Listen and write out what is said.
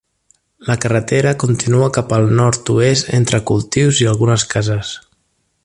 La carretera continua cap al nord-oest entre cultius i algunes cases.